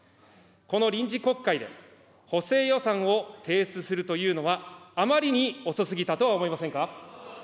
この臨時国会で、補正予算を提出するというのは、あまりに遅すぎたとは思いませんか。